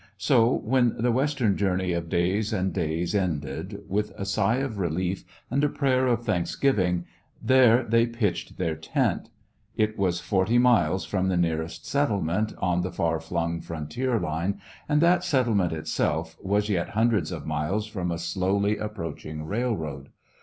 So, when the western journey of days and days ended, with a sigh of relief and a prayer of thanksgiving, there they pitched their tent. It was forty miles from the The West Was Young nearest settlement on the far flung frontier line, and that settlement it self was yet hundreds of miles from a slowly approaching railroad.